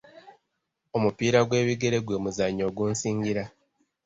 Omupiira gw'ebigere gwe muzannyo ogunsingira.